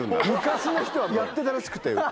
昔の人はやってたらしくて。